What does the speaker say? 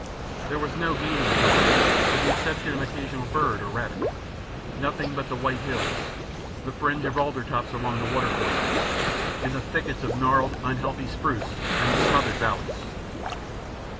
There was no game in the country, with the exception of an occasional bird or rabbit, nothing but the white hills, the fringe of alder tops along the watercourses, and the thickets of gnarled, unhealthy spruce in the smothered valleys.